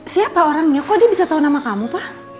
siapa orangnya kok dia bisa tau nama kamu pa